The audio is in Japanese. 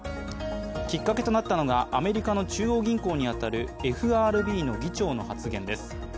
きっかけとなったのがアメリカの中央銀行に当たるＦＲＢの議長の発言です。